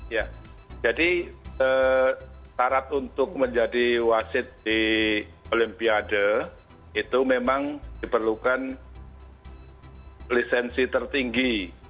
ya jadi syarat untuk menjadi wasit di olimpiade itu memang diperlukan lisensi tertinggi